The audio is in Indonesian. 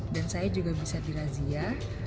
dan saya juga bisa dirazia